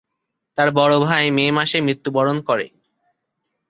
তার বড় ভাই মে মাসে মৃত্যুবরণ করে।